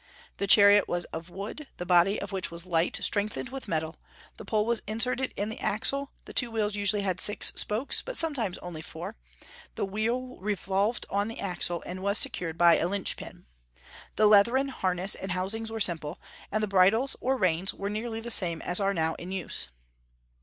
The chariot was of wood, the body of which was light, strengthened with metal; the pole was inserted in the axle; the two wheels usually had six spokes, but sometimes only four; the wheel revolved on the axle, and was secured by a lynch pin. The leathern harness and housings were simple, and the bridles, or reins, were nearly the same as are now in use.